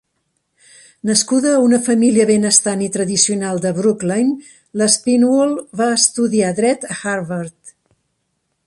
Nascuda a una família benestant i tradicional de Brookline, l'Aspinwall va estudiar dret a Harvard.